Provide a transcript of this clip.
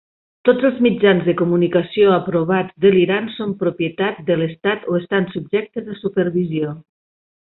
Tots els mitjans de comunicació aprovats de l'Iran són propietat de l'estat o estan subjectes a supervisió.